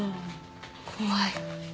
怖い。